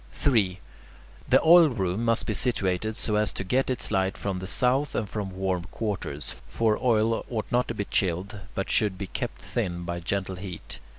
3. The oil room must be situated so as to get its light from the south and from warm quarters; for oil ought not to be chilled, but should be kept thin by gentle heat.